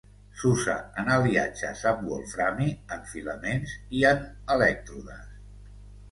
S'usa en aliatges amb wolframi en filaments i en elèctrodes.